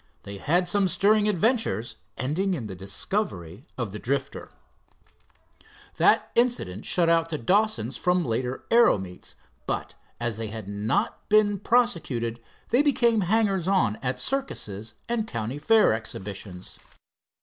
They had some stirring adventures, ending in the discovery of the Drifter. That incident shut out the Dawsons from later aero meets, but, as they had not been prosecuted, they became hangers on at circus and county fair exhibitions.